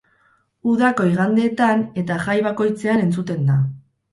Udako igandeetan eta jai bakoitzean entzuten da.